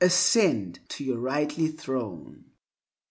Ascend your rightly throne!